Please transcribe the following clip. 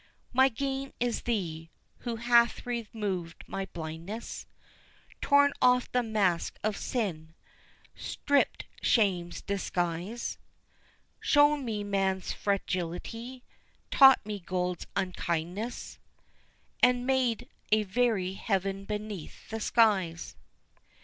My gain is thee, who hath removed my blindness, Torn off the mask of sin, stript shame's disguise, Shown me man's frailty, taught me gold's unkindness, And made a very heaven beneath the skies.